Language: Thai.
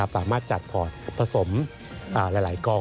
สามารถจัดพอร์ตผสมหลายกอง